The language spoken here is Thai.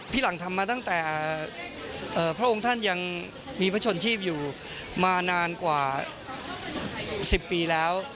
หลังทำมาตั้งแต่พระองค์ท่านยังมีพระชนชีพอยู่มานานกว่า๑๐ปีแล้ว